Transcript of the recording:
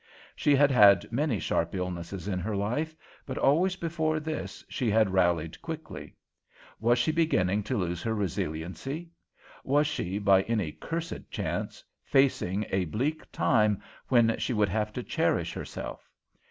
She had had many sharp illnesses in her life, but always, before this, she had rallied quickly. Was she beginning to lose her resiliency? Was she, by any cursed chance, facing a bleak time when she would have to cherish herself?